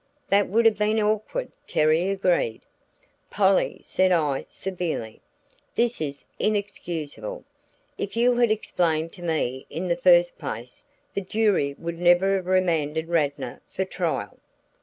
"That would have been awkward," Terry agreed. "Polly," said I, severely. "This is inexcusable! If you had explained to me in the first place, the jury would never have remanded Radnor for trial."